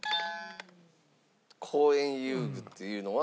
公園遊具っていうのは？